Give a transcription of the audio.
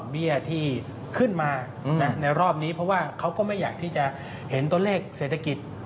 เพราะว่าเขาก็ไม่อยากที่จะเห็นตัวเลขเศษฐกิจ